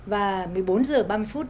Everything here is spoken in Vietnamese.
và một mươi bốn h ba mươi phút